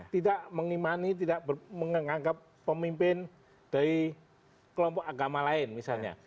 tidak mengimani tidak menganggap pemimpin dari kelompok agama lain misalnya